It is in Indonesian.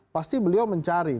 pasti beliau mencari